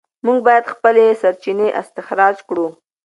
موږ باید خپلې سرچینې استخراج کړو.